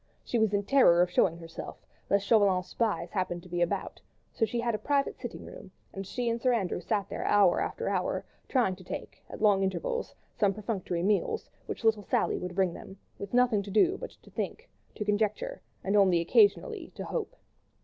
She was in terror of showing herself, lest Chauvelin's spies happened to be about, so she had a private sitting room, and she and Sir Andrew sat there hour after hour, trying to take, at long intervals, some perfunctory meals, which little Sally would bring them, with nothing to do but to think, to conjecture, and only occasionally to hope.